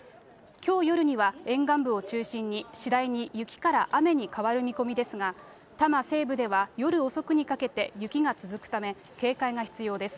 きょう夜には沿岸部を中心に、次第に雪から雨に変わる見込みですが、多摩西部では夜遅くにかけて雪が続くため、警戒が必要です。